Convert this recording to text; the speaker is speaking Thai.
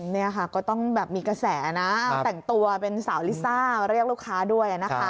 นี่ค่ะก็ต้องแบบมีกระแสนะแต่งตัวเป็นสาวลิซ่าเรียกลูกค้าด้วยนะคะ